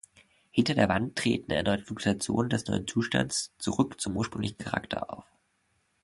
Hinter der Wand treten erneut Fluktuationen des neuen Zustands zurück zum ursprünglichen Charakter auf.